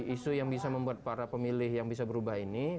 isu yang bisa membuat para pemilih yang bisa berubah ini